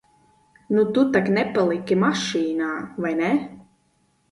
Nu, tu tak nepaliki mašīnā, vai ne?